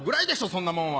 そんなもんは。